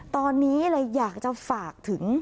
ตอนนี้เลยอยากจะฝากถึง